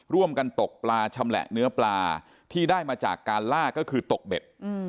ร่วมกันตกปลาชำแหละเนื้อปลาที่ได้มาจากการล่าก็คือตกเบ็ด